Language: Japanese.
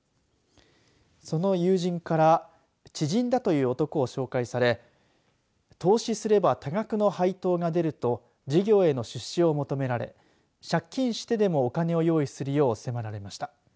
その友人から知人だという男を紹介され投資すれば多額の配当が出ると事業への出資を求められ借金してでもお金を用意するよう迫られました。